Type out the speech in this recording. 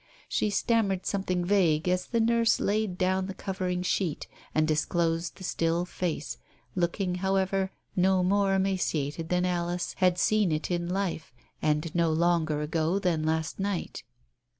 She stammered something vague as the nurse laid down the covering sheet, and disclosed the still face, looking, however, no more emaciated than Alice had seen it in life and no longer ago than last night.